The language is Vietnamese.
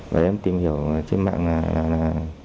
và em tìm hiểu trên mạng là